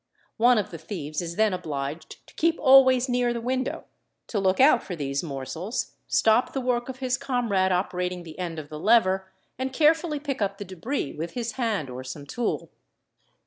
One of the thieves is then obliged to keep always near the window, to look out for these morsels, stop the work of his comrade operating the end of the lever, and carefully pick up the debris with his hand or some tool.